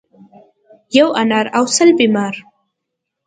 ـ یو انار او سل بیمار.